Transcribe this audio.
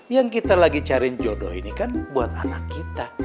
yang kita lagi cari jodoh ini kan buat anak kita